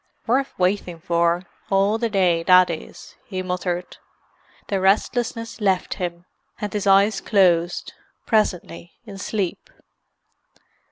"Worf waiting for, all the day, that is!" he muttered. The restlessness left him, and his eyes closed, presently, in sleep.